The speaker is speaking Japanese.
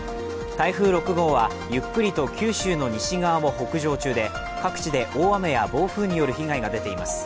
台風６号はゆっくりと九州の西側を北上中で各地で大雨や暴風による被害が出ています。